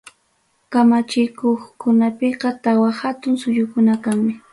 Kamachikuqpiqa tawa hatun suyukuna kanmi.